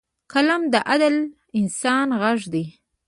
قلم د عادل انسان غږ دی